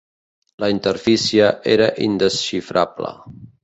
La interfície era indesxifrable.